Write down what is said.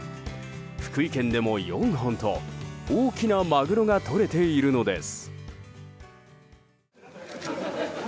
福井県でも４本と大きなマグロがとれているのです。